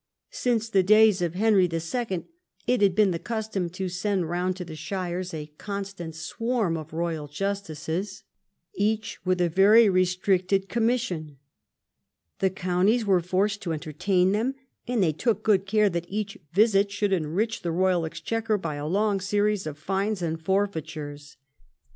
Since the days of Henry II. it bad been the custom to send round to the shires a constant swarm of royal justices, each with a ver}^ restricted com mission. The counties were forced to entertain them, and they took good care that each visit should enrich the royal exchequer by a long series of fines and for feitures.